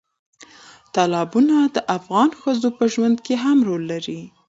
تالابونه د افغان ښځو په ژوند کې هم رول لري.